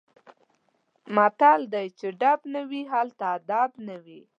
متل دی: چې ډب نه وي هلته ادب نه وي.